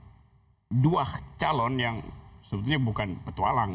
tapi poin saya begini ini dua calon yang sebetulnya bukan bertualang